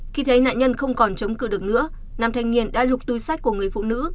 khi thấy nạn nhân không còn chống cửa được nữa nam thanh niên đã lục túi sách của người phụ nữ